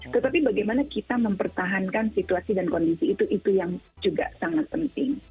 tetapi bagaimana kita mempertahankan situasi dan kondisi itu itu yang juga sangat penting